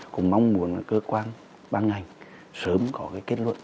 cũng mong muốn cơ quan ban ngành sớm có cái kết luận